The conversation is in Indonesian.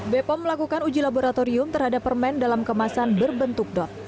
bepom melakukan uji laboratorium terhadap permen dalam kemasan berbentuk dot